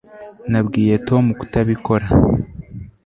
Nabwiye Tom kutabikora